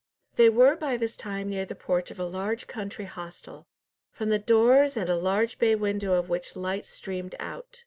They were by this time near the porch of a large country hostel, from the doors and large bay window of which light streamed out.